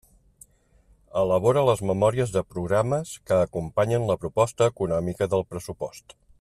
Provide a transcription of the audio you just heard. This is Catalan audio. Elabora les memòries de programes que acompanyen la proposta econòmica del pressupost.